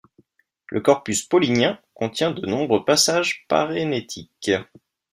Le corpus paulinien contient de nombreux passages parénétiques.